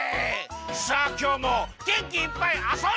さあきょうもげんきいっぱいあそんじゃうぞ！